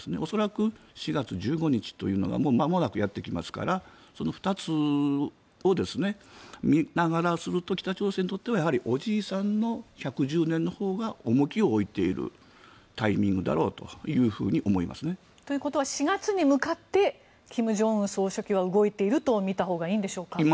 恐らく４月１５日というのがまもなくやってきますからその２つを見ながらすると北朝鮮にとってはおじいさんの１１０年のほうが重きを置いているタイミングだろうと思いますね。ということは４月に向かって金正恩総書記は動いていると見たほうがいいんでしょうか。